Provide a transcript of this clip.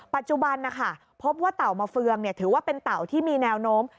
ปัจจุบันนะคะพบว่าเต่ามาเฟืองถือว่าเป็นเต่าที่มีแนวโน้ม